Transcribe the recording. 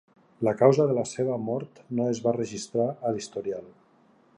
La causa de la seva mort no es va registrar a l'historial.